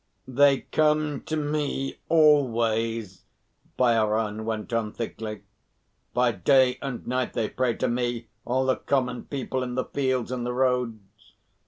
"They come to me always," Bhairon went on thickly. "By day and night they pray to me, all the Common People in the fields and the roads.